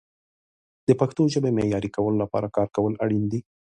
د پښتو ژبې معیاري کولو لپاره کار کول اړین دي.